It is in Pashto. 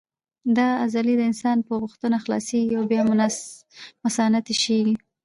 دا عضلې د انسان په غوښتنه خلاصېږي او بیا مثانه تشېږي.